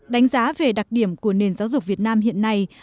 đánh giá về đặc điểm của nền giáo dục việt nam hiện nay